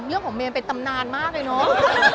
เรื่องของเมนเป็นตำนานมากเลยเนาะ